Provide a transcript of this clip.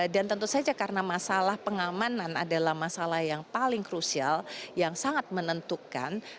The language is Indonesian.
dan tentu saja karena masalah pengamanan adalah masalah yang paling krusial yang sangat menentukan